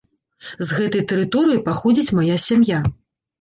З гэтай тэрыторыі паходзіць мая сям'я.